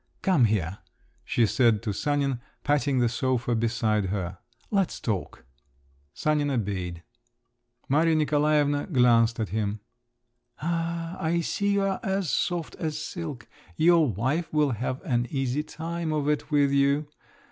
"Come here," she said to Sanin, patting the sofa beside her. "Let's talk." Sanin obeyed. Maria Nikolaevna glanced at him. "Ah, I see you're as soft as silk! Your wife will have an easy time of it with you.